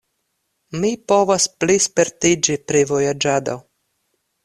Mi povas plispertiĝi pri vojaĝado.